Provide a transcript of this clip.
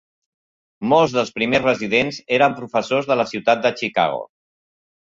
Molts dels primers residents eren professors de la ciutat de Chicago.